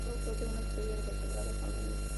Fue autor de una "Historia de la Sagrada Familia".